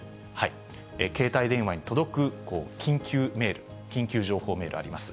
携帯電話に届く緊急メール、緊急情報メールあります。